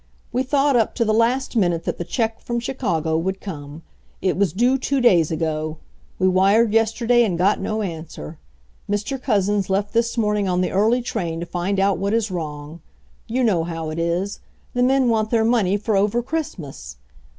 "We thought up to the last minute that the check from Chicago would come. It was due two days ago. We wired yesterday and got no answer. Mr. Couzens left this morning on the early train to find out what is wrong. You know how it is; the men want their money for over Christmas.